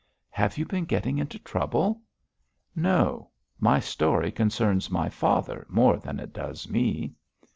'Have you been getting into trouble?' 'No. My story concerns my father more than it does me.'